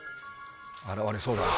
現れそうだ。